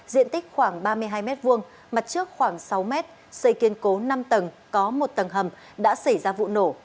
diện tích khoảng ba mươi hai m hai mặt trước khoảng sáu mét xây kiên cố năm tầng có một tầng hầm đã xảy ra vụ nổ